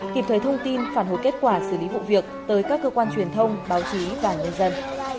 kịp thời thông tin phản hồi kết quả xử lý vụ việc tới các cơ quan truyền thông báo chí và nhân dân